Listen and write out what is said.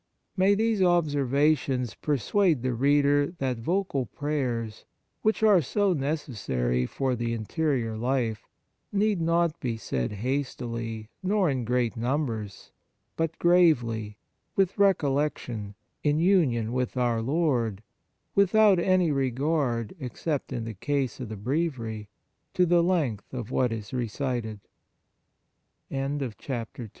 May these observations persuade the reader that vocal prayers, which are so necessary for the interior life, need not be said hastily nor in great numbers, but gravely, with recollec tion, in union with our Lord, without any regard except in the case of the Breviary to the len